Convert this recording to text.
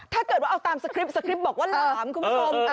ถ้าเกิดว่าเอาตามสคริปสคริปต์บอกว่าหลามคุณผู้ชม